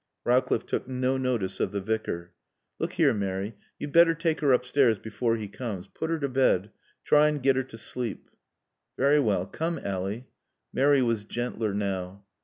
Rowcliffe took no notice of the Vicar. "Look here, Mary you'd better take her upstairs before he comes. Put her to bed. Try and get her to sleep." "Very well. Come, Ally." Mary was gentler now.